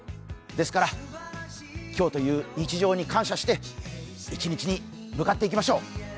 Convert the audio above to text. ですから、今日という日常に感謝して一日に向かっていきましょう。